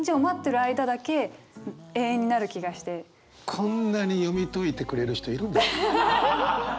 こんなに読み解いてくれる人いるんだな。